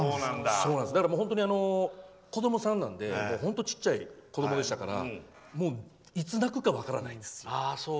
だから本当に子どもさんなので本当に小さい子どもでしたからいつ泣くか分からないんですよ。